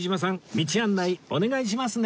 道案内お願いしますね